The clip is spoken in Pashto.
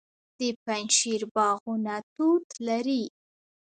د پنجشیر باغونه توت لري.